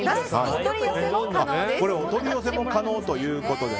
お取り寄せも可能ということで。